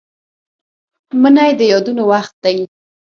منی د یادونو وخت دی